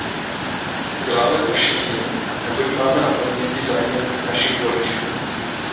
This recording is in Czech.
Děláme to všichni, neboť máme na paměti zájmy našich voličů.